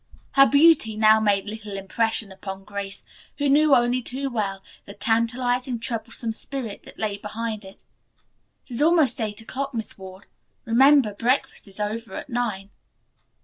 Her beauty now made little impression upon Grace, who knew only too well the tantalizing, troublesome spirit that lay behind it. "It is almost eight o'clock, Miss Ward. Remember, breakfast is over at nine."